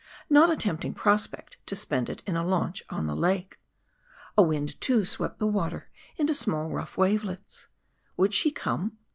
Not a tempting prospect to spend it in a launch on the lake. A wind, too, swept the water into small rough wavelets. Would she come?